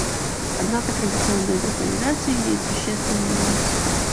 Однако традиционная виртуализация имеет существенный минус